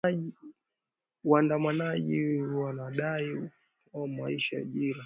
waandamanaji wanaodai unafua maisha na ajira